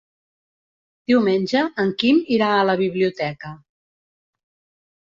Diumenge en Quim irà a la biblioteca.